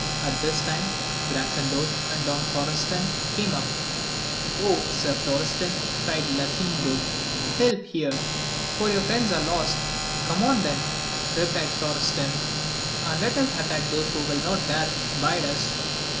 At this time Grasandor and Don Florestan came up : 0, Sir Flo restan, cried Lasindo, help here, or your friends are lost ! Come on then ! replied Florestan, and let us attack those who will not dare abide us